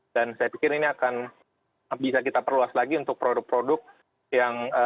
dan saya pikir ini akan bisa kita perluas lagi untuk produk produk yang